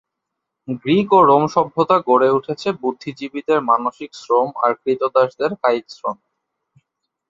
Greek ও Rome সভ্যতা গড়ে উঠেছে বুদ্ধিজীবীদের মানসিক শ্রম আর ক্রীতদাসদের কায়িক শ্রমে।